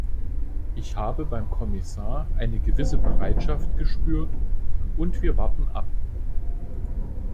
Ich habe beim Kommissar eine gewisse Bereitschaft gespürt, und wir warten ab.